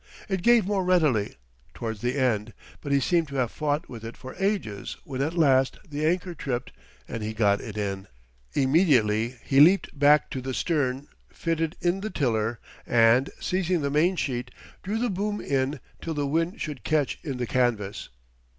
It gave more readily, towards the end, but he seemed to have fought with it for ages when at last the anchor tripped and he got it in. Immediately he leaped back to the stern, fitted in the tiller, and seizing the mainsheet, drew the boom in till the wind should catch in the canvas.